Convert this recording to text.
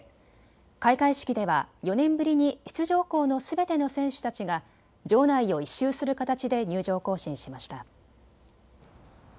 開会式では４年ぶりに出場校のすべての選手たちが場内を１周する形で入場行進しました。